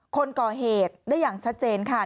คนก่อเหตุได้อย่างชัดเจนค่ะ